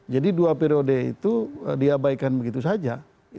jadi dua periode itu diabaikan begitu saja